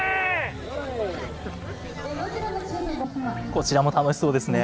こちらも楽しそうですね。